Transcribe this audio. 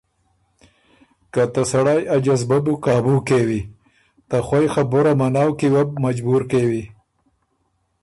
که ته سړئ ا جذبۀ بو قابُو کېوی، ته خوئ خبُره منؤ کی وه بو مجبور کېوی